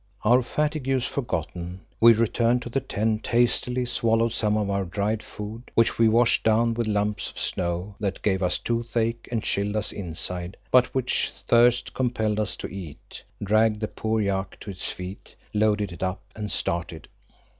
Our fatigues forgotten, we returned to the tent, hastily swallowed some of our dried food, which we washed down with lumps of snow that gave us toothache and chilled us inside, but which thirst compelled us to eat, dragged the poor yak to its feet, loaded it up, and started.